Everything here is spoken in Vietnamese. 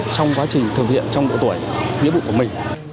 trong quá trình thực hiện trong độ tuổi nghĩa vụ của mình